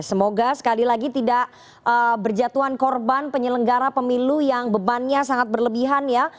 semoga sekali lagi tidak berjatuhan korban penyelenggara pemilu yang bebannya sangat berlebihan ya